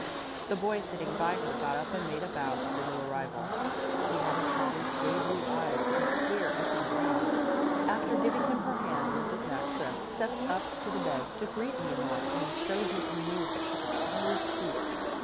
The boy sitting by her got up and made a bow to the new arrival. He had his father's gay blue eyes and his clear, open brow. After giving him her hand Mrs. Maxa stepped up to the bed to greet Leonore and was so deeply moved that she could barely speak.